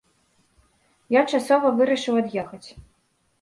Я часова вырашыў ад'ехаць.